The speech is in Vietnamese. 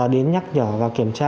đến nhắc nhở và kiểm tra